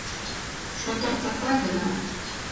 Шотыртата гына.